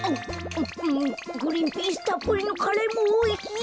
グリーンピースたっぷりのカレーもおいしい！